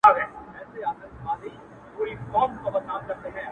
زړه مي در سوځي چي ته هر گړی بدحاله یې ـ